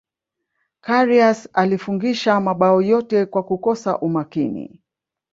karius alifungisha mabao yote kwa kukosa umakini